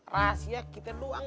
rahasia kita doang